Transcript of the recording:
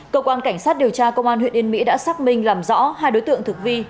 cơ quan cảnh sát điều tra công an huyện yên mỹ đã xác minh làm rõ hai đối tượng thực vi